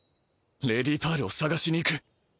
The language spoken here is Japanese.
レディパールを捜しに行く。